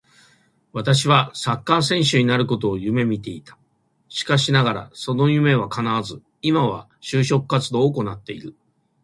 私は昔サッカー選手になることを夢見ていた。しかしながらその夢は叶わず、今は就職活動を行ってる。